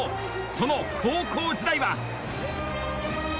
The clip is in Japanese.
その高校時代は。